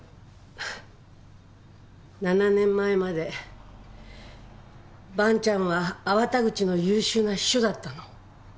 ７年前まで萬ちゃんは粟田口の優秀な秘書だったの。